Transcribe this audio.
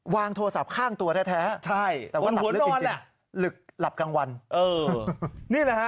วางโทรศัพท์ข้างตัวแท้แท้ใช่แต่ว่าหลับกลางวันเออนี่แหละฮะ